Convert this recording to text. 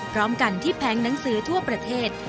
พร้อมกันที่แผงหนังสือทั่วประเทศ